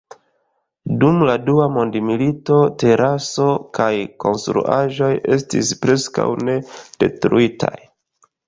Dum la Dua Mondmilito, teraso kaj konstruaĵoj estis preskaŭ ne detruitaj.